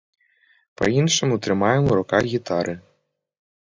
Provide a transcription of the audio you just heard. Па-іншаму трымаем у руках гітары.